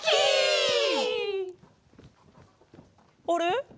あれ？